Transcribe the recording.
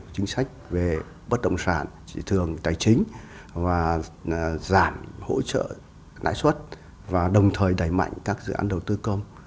chính sách về bất động sản thị trường tài chính giảm hỗ trợ nãi xuất và đồng thời đẩy mạnh các dự án đầu tư công